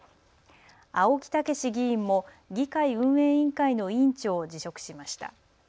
青木健議員も議会運営委員会の委員長を辞職しました。